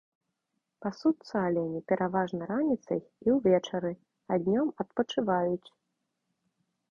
Пасуцца алені пераважна раніцай і ўвечары, а днём адпачываюць.